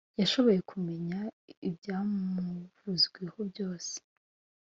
Yashoboye kumenya ibyamuvuzweho byose